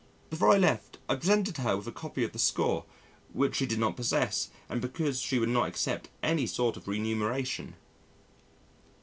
Before I left, I presented her with a copy of the score, which she did not possess and because she would not accept any sort of remuneration.